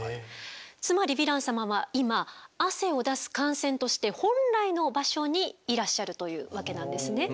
つまりヴィラン様は今汗を出す汗腺として本来の場所にいらっしゃるというわけなんですね。